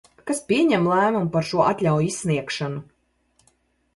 Kas pieņem lēmumu par šo atļauju izsniegšanu?